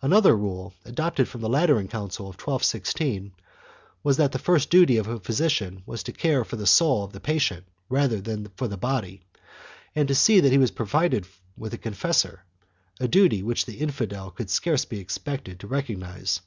3 Another rule, adopted from the Lateran council of 1216, was that the first duty of a physician was to care for the soul of the patient rather than for his body, and to see that he was provided with a confessor — a duty which the infidel could scarce be expected to recognize.